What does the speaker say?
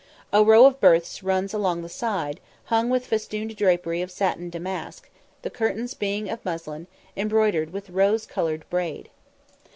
A row of berths runs along the side, hung with festooned drapery of satin damask, the curtains being of muslin, embroidered with rose coloured braid.